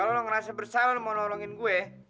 kalau lo ngerasa bersalah mau nolongin gue